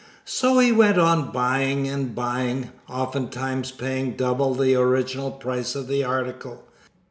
So he went on buying and buying, oftentimes paying double the original price of the article.